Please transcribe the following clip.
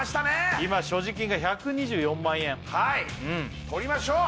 今所持金が１２４万円はいとりましょう！